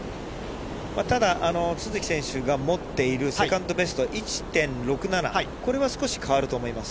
ただ都筑選手が持っているセカンドベストは１．６７、これは少し変わると思います。